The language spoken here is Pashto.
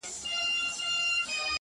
و حاکم ته سو ور وړاندي په عرضونو؛